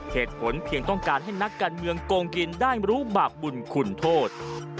เหตุผลเพียงต้องการให้นักการเมืองโกงกินได้รู้บาปบุญคุณโทษ